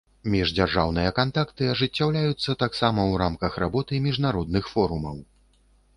Міждзяржаўныя кантакты ажыццяўляюцца таксама ў рамках работы міжнародных форумаў.